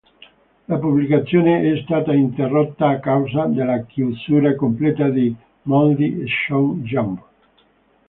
La pubblicazione è stata interrotta a causa della chiusura completa di Monthly Shonen Jump.